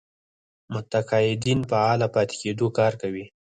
متقاعدين فعاله پاتې کېدو کار کوي.